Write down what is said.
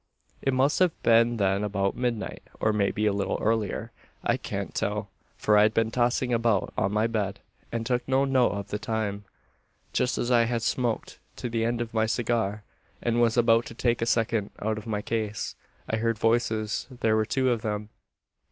"It must have been then about midnight, or maybe a little earlier. I can't tell: for I'd been tossing about on my bed, and took no note of the time. "Just as I had smoked to the end of my cigar, and was about to take a second out of my case, I heard voices. There were two of them.